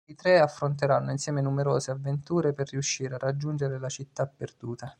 I tre affronteranno insieme numerose avventure per riuscire a raggiungere la città perduta.